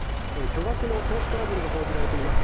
巨額の投資トラブルが報じられています